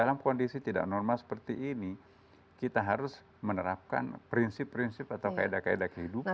dalam kondisi tidak normal seperti ini kita harus menerapkan prinsip prinsip atau kaedah kaedah kehidupan